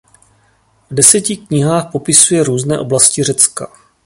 V deseti knihách popisuje různé oblasti Řecka.